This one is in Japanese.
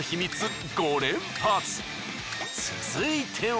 続いては。